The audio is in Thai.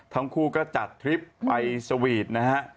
ทั้งคู่ก็จัดทริปไปสวีทนะฮะ